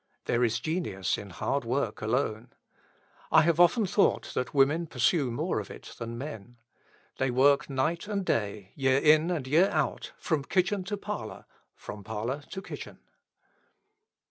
There is genius in hard work alone. I have often thought that women pursue more of it than men. They work night and day, year in and year out, from kitchen to parlour, from parlour to kitchen.